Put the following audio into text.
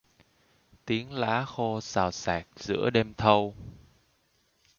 Tiếng lá khô xào xạc giữa đêm thâu